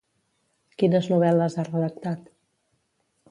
Quines novel·les ha redactat?